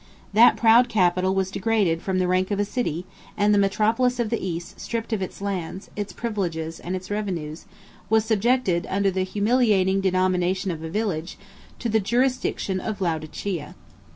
That proud capital was degraded from the rank of a city; and the metropolis of the East, stripped of its lands, its privileges, and its revenues, was subjected, under the humiliating denomination of a village, to the jurisdiction of Laodicea.